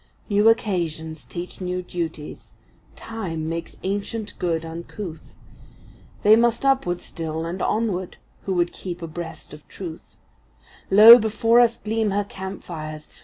New occasions teach new duties; Time makes ancient good uncouth; They must upward still, and onward, who would keep abreast of Truth; Lo, before us gleam her camp fires!